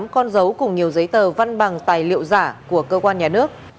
một mươi tám con dấu cùng nhiều giấy tờ văn bằng tài liệu giả của cơ quan nhà nước